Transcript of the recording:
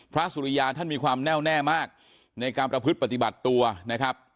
สุริยาท่านมีความแน่วแน่มากในการประพฤติปฏิบัติตัวนะครับ